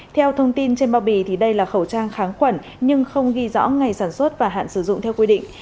theo thông tin trên bao bì đây là khẩu trang kháng khuẩn nhưng không ghi rõ ngày sản xuất và hạn sử dụng theo quy định